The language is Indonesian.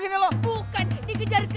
teruskan sampe kenapa saya beramai